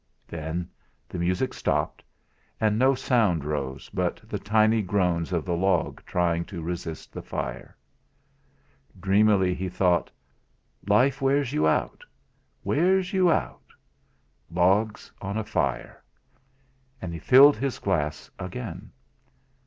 Then the music stopped; and no sound rose but the tiny groans of the log trying to resist the fire. Dreamily he thought: 'Life wears you out wears you out. Logs on a fire!' And he filled his glass again.